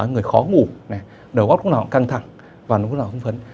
người khó ngủ đầu góc cũng là họ căng thẳng và nó cũng là họ hưng phấn